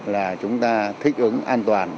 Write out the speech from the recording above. là chúng ta thích ứng an toàn